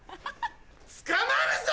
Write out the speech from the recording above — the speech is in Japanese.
捕まるぞ！